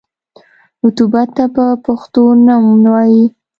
رطوبت ته په پښتو نم وايي.